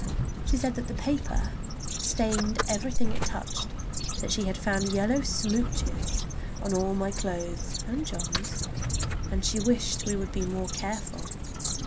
Then she said that the paper stained everything it touched, that she had found yellow smooches on all my clothes and John's, and she wished we would be more careful!